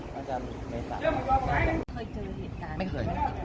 พี่พอแล้วพี่พอแล้ว